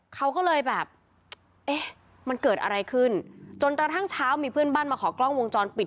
เขาก็เลยแบบเอ๊ะมันเกิดอะไรขึ้นจนกระทั่งเช้ามีเพื่อนบ้านมาขอกล้องวงจรปิด